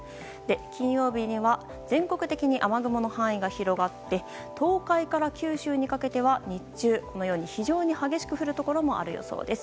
金曜日には全国的に雨雲の範囲が広がって東海から九州にかけては日中、非常に激しく降るところもある予想です。